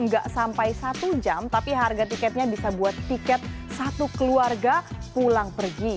nggak sampai satu jam tapi harga tiketnya bisa buat tiket satu keluarga pulang pergi